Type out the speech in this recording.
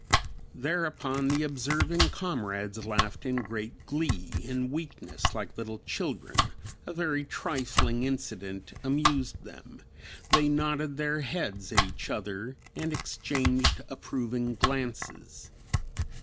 Thereupon the observing comrades laughed in great glee; in weakness, like little children, a very trifling incident amused them; they nodded their heads at each other and exchanged approving glances.